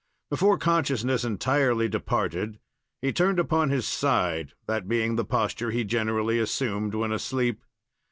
Before consciousness entirely departed, he turned upon his side, that being the posture he generally assumed when asleep.